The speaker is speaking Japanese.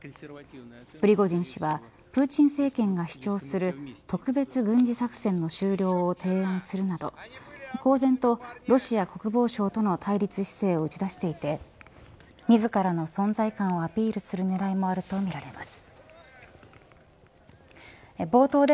プリゴジン氏はプーチン政権が主張する特別軍事作戦の終了を提案するなど公然とロシア国防省との対立姿勢を打ち出していて自らの存在感をアピールする狙いもあるとみられます。